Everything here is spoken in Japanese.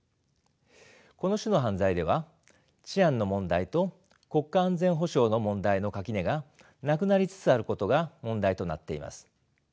この種の犯罪では治安の問題と国家安全保障の問題の垣根がなくなりつつあることが問題となっています。